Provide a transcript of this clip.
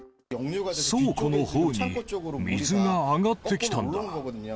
倉庫のほうに水が上がってきたんだ。